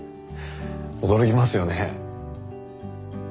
驚きますよね。